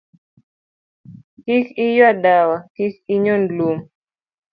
Kik Iyua Ndawa, Kik Inyon Lum